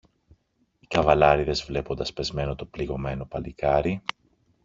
Οι καβαλάρηδες, βλέποντας πεσμένο το πληγωμένο παλικάρι